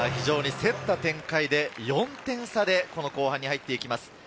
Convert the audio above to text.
競った展開で、４点差で後半に入っていきます。